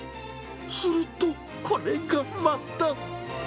すると、これがまた。